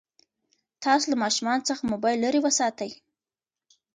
تاسو له ماشومانو څخه موبایل لرې وساتئ.